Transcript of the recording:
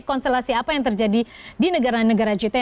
konstelasi apa yang terjadi di negara negara g dua puluh